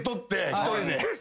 １人で。